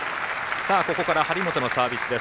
ここから張本のサービスです。